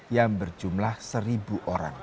yang berjumlah seribu orang